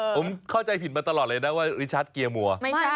ผมเข้าใจผิดมาตลอดเลยนะว่าลิชัดเกียร์มัว